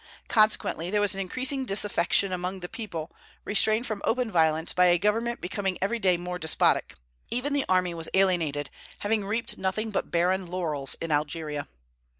Consequently, there was an increasing disaffection among the people, restrained from open violence by a government becoming every day more despotic. Even the army was alienated, having reaped nothing but barren laurels in Algeria.